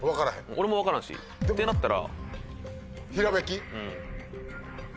俺も分からんしってなったら。